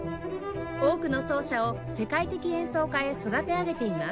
多くの奏者を世界的演奏家へ育て上げています